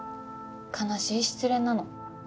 悲しい失恋なの。